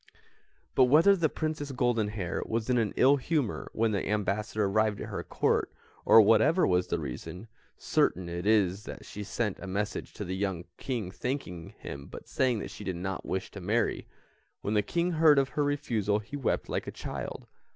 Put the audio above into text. "] But whether the Princess Goldenhair was in an ill humour when the ambassador arrived at her Court, or whatever was the reason, certain it is that she sent a message to the young King thanking him but saying that she did not wish to marry. When the King heard of her refusal he wept like a child.